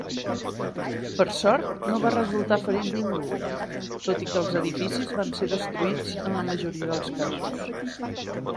Per sort, no va resultar ferit ningú, tot i que els edificis van ser destruïts en la majoria dels casos.